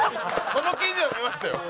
その記事は見ましたよ。